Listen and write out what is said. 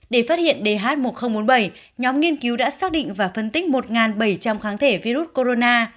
để phát hiện dh một nghìn bốn mươi bảy nhóm nghiên cứu đã xác định và phân tích một bảy trăm linh kháng thể virus corona